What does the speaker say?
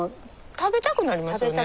食べたくなりますよね。